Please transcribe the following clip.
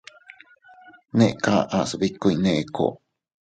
Neʼe kaʼas biku Nneeko.